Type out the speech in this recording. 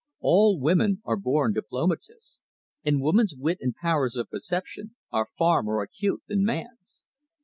All women are born diplomatists, and woman's wit and powers of perception are far more acute than man's.